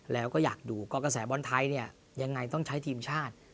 แล้วก็อยากดูกกบไทยยังไงต้องใช้ทีมชาติ